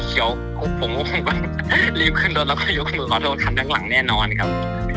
คือผมต้องรีบขึ้นรถแล้วก็ยกมือขอโทรถังหลังแน่นอนครับ